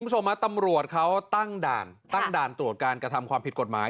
ตำรวจเขาตั้งด่านตั้งด่านตรวจการกระทำความผิดกฎหมาย